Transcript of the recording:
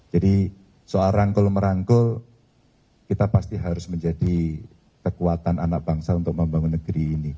jadi soal rangkul merangkul kita pasti harus menjadi kekuatan anak bangsa untuk membangun negeri ini